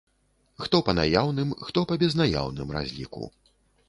Хто па наяўным, хто па безнаяўным разліку.